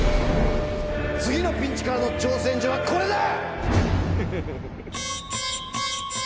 次のピンチからの挑戦状はこれだ！